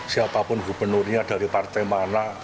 siapapun gubernurnya dari partai mana